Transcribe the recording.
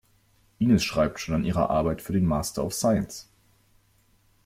Ines schreibt schon an ihrer Arbeit für den Master of Science.